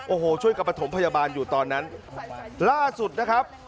โอ้โหช่วยกับประถมพยาบาลอยู่ตอนนั้นล่าสุดนะครับ